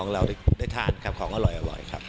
เราได้ทานครับของอร่อยอ่ะบ่อยครับ